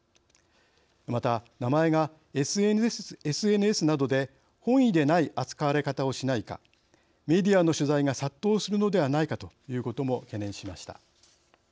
また名前がＳＮＳなどで本意でない扱われ方をしないかメディアの取材が殺到するのではないかということも懸念しました。